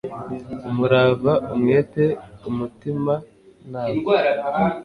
umurava, umwete umutimanama